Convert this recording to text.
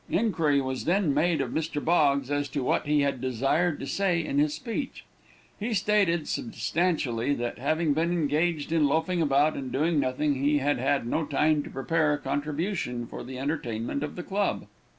Inquiry was then made of Mr. Boggs as to what he had desired to say in his speech. He stated substantially, that, having been engaged in loafing about, and doing nothing, he had had no time to prepare a contribution for the entertainment of the club.